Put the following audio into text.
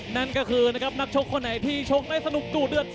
นั่นก็คือนะครับนักชกคนไหนที่ชกได้สนุกดูเดือด